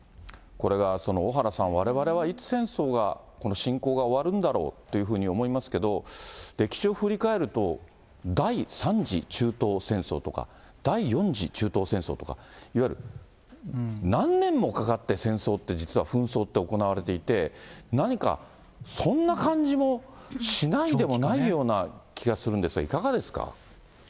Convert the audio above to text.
これが小原さん、われわれはいつ戦争が、侵攻が終わるんだろうというふうに思いますけど、歴史を振り返ると、第３次中東戦争とか、第４次中東戦争とか、いわゆる何年もかかって戦争って、実は紛争って行われていて、何かそんな感じもしないでもないような気がするんですが、いかがですか。